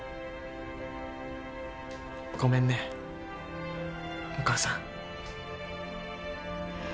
ごめんねお母さん。